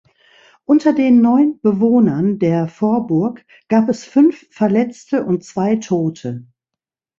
Unter den neun Bewohnern der Vorburg gab es fünf Verletzte und zwei Tote.